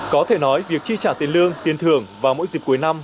có thể nói việc chi trả tiền lương tiền thưởng vào mỗi dịp cuối năm